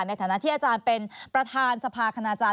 ในฐานะที่อาจารย์เป็นประธานสภาคณาจารย